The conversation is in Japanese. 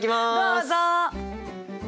どうぞ！